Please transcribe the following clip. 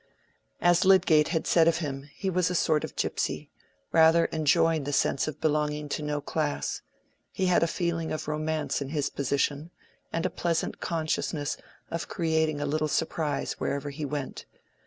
As Lydgate had said of him, he was a sort of gypsy, rather enjoying the sense of belonging to no class; he had a feeling of romance in his position, and a pleasant consciousness of creating a little surprise wherever he went.